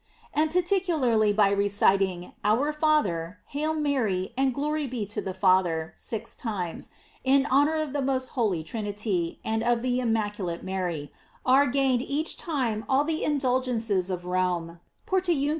And particularly by reciting "Our Father," "Hail Mary," and "Glory be to the Father," six times, in honor of the most holy Trinity, and of the immaculate Mary, are gained each time all the indulgences o£Home, Portiun.